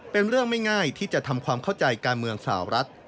เป็นเรื่องไม่ง่ายที่จะทำความเข้าใจการเมืองสาวรัฐ